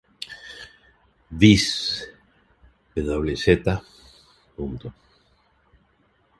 Vis wz.